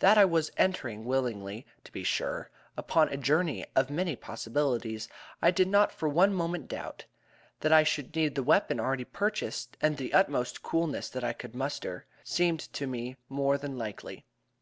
That I was entering, willingly, to be sure, upon a journey of many possibilities I did not for one moment doubt; that I should need the weapon already purchased, and the utmost coolness that I could muster, seemed to me more than likely.